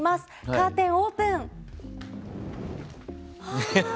カーテンオープン！